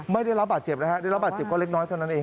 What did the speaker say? ไม่ได้รับบาดเจ็บนะฮะได้รับบาดเจ็บก็เล็กน้อยเท่านั้นเอง